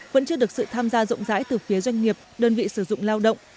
vẫn chưa được sự tham gia rộng rãi từ phía doanh nghiệp đơn vị sử dụng lao động